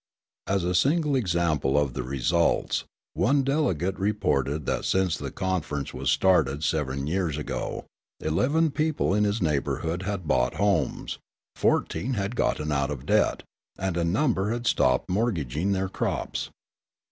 As a single example of the results, one delegate reported that since the conference was started, seven years ago, eleven people in his neighbourhood had bought homes, fourteen had gotten out of debt, and a number had stopped mortgaging their crops.